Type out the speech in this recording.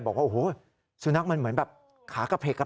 บอกว่าโอ้โหสุนัขมันเหมือนแบบขากระเพก